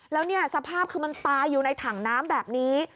แล้วเนี่ยสภาพคือมันตายอยู่ในถังน้ำแบบนี้